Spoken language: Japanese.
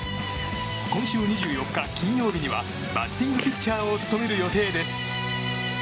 今週２４日、金曜日にはバッティングピッチャーを務める予定です。